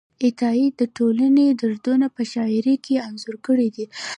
عطایي د ټولنې دردونه په شاعرۍ کې انځور کړي دي.